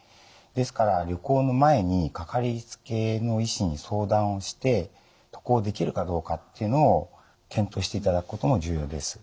ですから旅行の前にかかりつけの医師に相談をして渡航できるかどうかっていうのを検討していただくことも重要です。